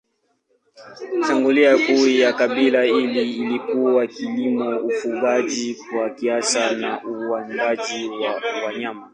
Shughuli kuu ya kabila hili ilikuwa kilimo, ufugaji kwa kiasi na uwindaji wa wanyama.